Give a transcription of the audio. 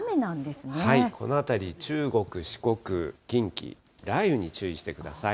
この辺り、中国、四国、近畿、雷雨に注意してください。